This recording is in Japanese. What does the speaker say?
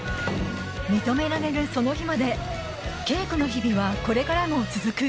認められるその日まで稽古の日々はこれからも続く